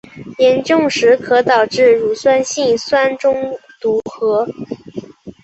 严重时可导致乳酸性酸中毒和。